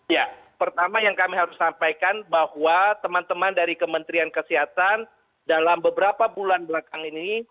ya pertama yang kami harus sampaikan bahwa teman teman dari kementerian kesehatan dalam beberapa bulan belakang ini